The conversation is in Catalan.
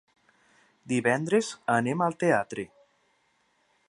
Divendres anem al teatre.